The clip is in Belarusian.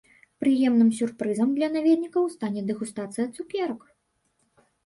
Прыемным сюрпрызам для наведнікаў стане дэгустацыя цукерак.